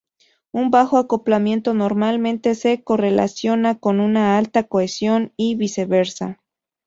Un bajo acoplamiento normalmente se correlaciona con una alta cohesión, y viceversa.